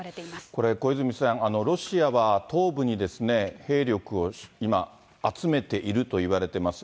これ、小泉さん、ロシアは東部にですね、兵力を今、集めているといわれてます。